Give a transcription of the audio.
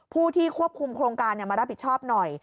ผู้ที่ควบคุมโครงการมารับผิดชอบหน่อย